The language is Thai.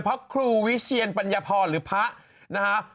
เพราะครูวิเชียนปัญญพรหรือพระ